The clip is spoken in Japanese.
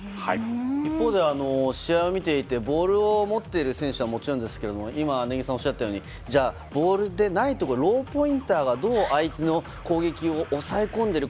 一方で試合を見ていてボールを持っている選手はもちろんですけれども根木さんがおっしゃったようにじゃあ、ボールでないところローポインターはどう相手の攻撃を押さえ込んでいるか。